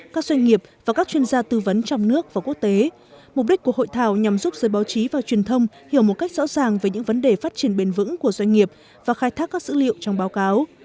các doanh nghiệp và các chuyên gia tư vấn trong nước và quốc tế mục đích của hội thảo nhằm giúp giới báo chí và truyền thông hiểu một cách rõ ràng về những vấn đề phát triển bền vững của doanh nghiệp và khai thác các dữ liệu trong báo cáo